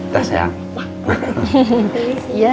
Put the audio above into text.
terima kasih ya